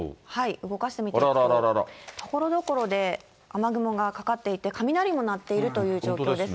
動かしてみますと、ところどころで雨雲がかかっていて、雷も鳴っているという状況です。